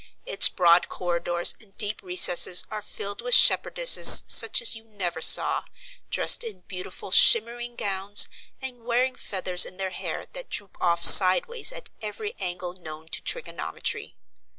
Its broad corridors and deep recesses are filled with shepherdesses such as you never saw, dressed in beautiful shimmering gowns, and wearing feathers in their hair that droop off sideways at every angle known to trigonometry.